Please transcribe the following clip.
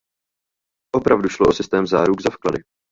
Opravdu šlo o systém záruk za vklady.